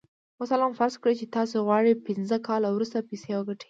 مثلاً فرض کړئ چې تاسې غواړئ پينځه کاله وروسته پيسې وګټئ.